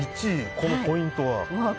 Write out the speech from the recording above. このポイントは？